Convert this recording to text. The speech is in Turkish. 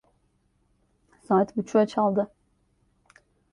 Saat buçuğu çaldı…